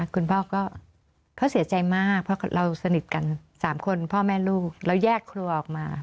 คุณพ่อก็เขาเสียใจมากเพราะเราสนิทกัน๓คนพ่อแม่ลูกเราแยกครัวออกมา